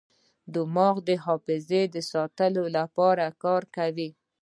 دماغ د حافظې د ساتلو لپاره کار کوي.